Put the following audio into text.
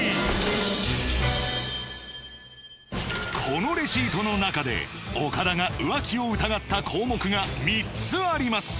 このレシートの中で岡田が浮気を疑った項目が３つあります